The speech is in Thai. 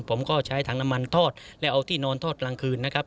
ผมก็ใช้ถังน้ำมันทอดและเอาที่นอนทอดกลางคืนนะครับ